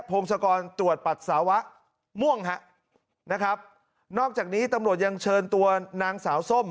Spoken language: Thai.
พงศกรตรวจปัสสาวะม่วงฮะนะครับนอกจากนี้ตำรวจยังเชิญตัวนางสาวส้ม